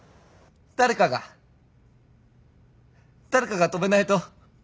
誰かが誰かが止めないと。